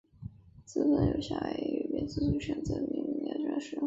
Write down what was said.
四份由夏威夷语名字组成的命名表正在使用。